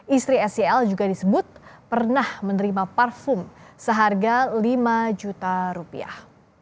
istri sel juga disebut pernah menerima parfum seharga lima juta rupiah